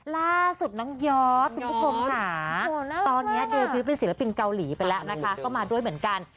ล่าสุดน้องยอดคุณผู้ชมค่ะตอนนี้เดลวิวเป็นศิลปินเกาหลีไปแล้วนะคะก็มาด้วยเหมือนกัน